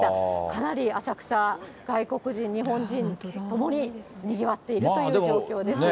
かなり浅草、外国人、日本人、ともににぎわっているという状況です。